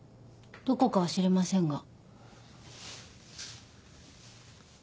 どこかは知りませんが。